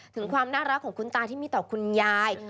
ถึงความน่ารักของคุณตาที่มีต่อคุณยาย